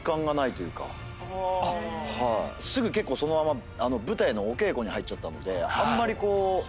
すぐ結構そのまま舞台のお稽古に入っちゃったのであんまりこう。